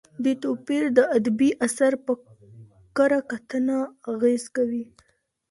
دې توپیر د ادبي اثر په کره کتنه اغېز کوي.